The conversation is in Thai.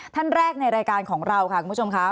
ท่านแรกในรายการของเราค่ะคุณผู้ชมค่ะ